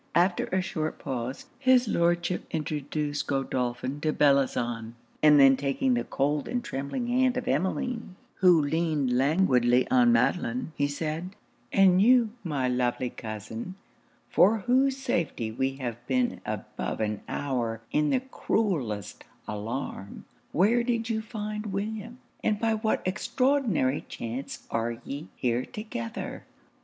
After a short pause, his Lordship introduced Godolphin to Bellozane; and then taking the cold and trembling hand of Emmeline, who leaned languidly on Madelon, he said 'And you, my lovely cousin, for whose safety we have been above an hour in the cruellest alarm, where did you find William, and by what extraordinary chance are ye here together?'